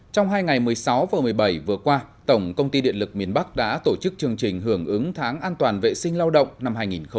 trong hai ngày một mươi sáu và một mươi bảy vừa qua tổng công ty điện lực miền bắc đã tổ chức chương trình hưởng ứng tháng an toàn vệ sinh lao động năm hai nghìn hai mươi